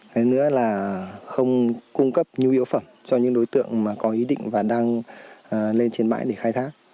thế nữa là không cung cấp nhu yếu phẩm cho những đối tượng mà có ý định và đang lên trên mãi để khai thác